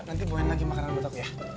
nanti buahin lagi makanan buat aku ya